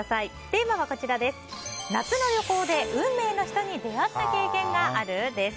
テーマは夏の旅行で運命の人に出会った経験がある？です。